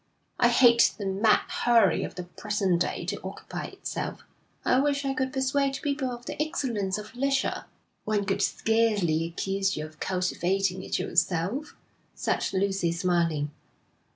I hate the mad hurry of the present day to occupy itself. I wish I could persuade people of the excellence of leisure.' 'One could scarcely accuse you of cultivating it yourself,' said Lucy, smiling.